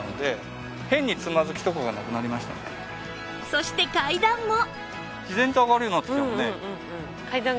そして階段も